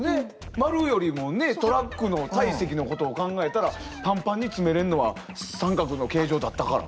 丸よりもねトラックの体積のことを考えたらパンパンに詰めれんのは三角の形状だったから。